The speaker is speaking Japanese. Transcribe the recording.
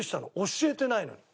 教えてないのに。